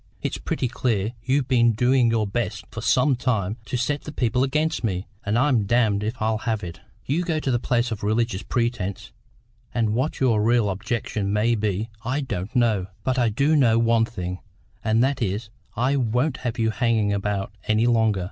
It's pretty clear you've been doing your best for some time to set the people against me, and I'm damned if I'll have it! You go to the place on religious pretences, and what your real object may be I don't know; but I do know one thing, and that is, I won't have you hanging about any longer.